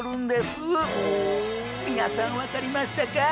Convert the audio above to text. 皆さん分かりましたか？